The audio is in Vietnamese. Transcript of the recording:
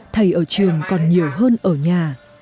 thầy ở trường còn nhiều hơn ở nhà